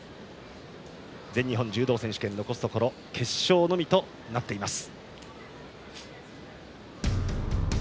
全日本柔道選手権、残すところ決勝のみとなっています。